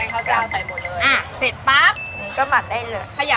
เป็นข้าวจ้าวใส่หมดเลย